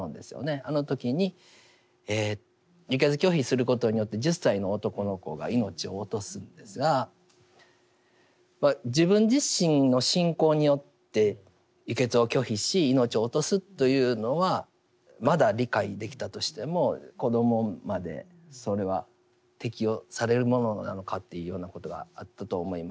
あの時に輸血拒否することによって１０歳の男の子が命を落とすんですが自分自身の信仰によって輸血を拒否し命を落とすというのはまだ理解できたとしても子どもまでそれは適用されるものなのかというようなことがあったと思います。